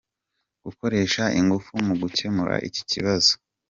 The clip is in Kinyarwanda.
Gukoresha ingufu mu gukemura iki kibazo.